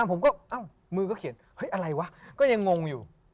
ผมก็เอ้ามือก็เขียนเฮ้ยอะไรวะก็ยังงงอยู่